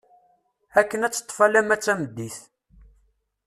Akken ad teṭṭef alamma d tameddit.